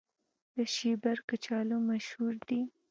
د شیبر کچالو مشهور دي